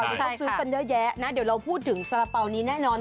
ดิฉันซื้อกันเยอะแยะนะเดี๋ยวเราพูดถึงสาระเป๋านี้แน่นอน